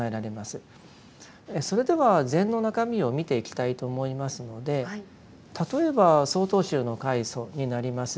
それでは禅の中身を見ていきたいと思いますので例えば曹洞宗の開祖になります